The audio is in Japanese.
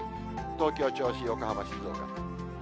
東京、銚子、横浜、静岡。